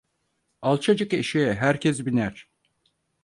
Alçacık eşeğe herkes biner.